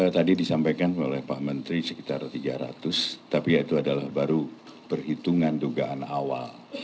tadi disampaikan oleh pak menteri sekitar tiga ratus tapi ya itu adalah baru perhitungan dugaan awal